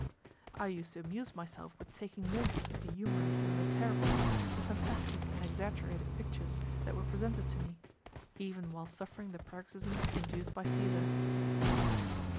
I used to amuse myself with taking notes of the humorous and the terrible, the fantastic and exaggerated pictures that were presented to me even while suffering the paroxysms induced by fever.